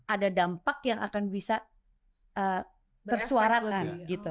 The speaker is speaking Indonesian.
ada dampak yang akan bisa tersuarakan gitu